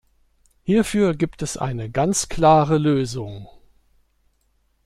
Hierfür gibt es eine ganz klare Lösung.